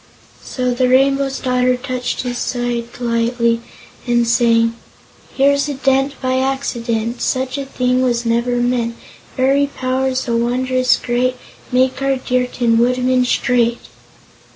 So the Rainbow's Daughter touched his side lightly and sang: "Here's a dent by accident; Such a thing was never meant. Fairy Powers, so wondrous great, Make our dear Tin Woodman straight!"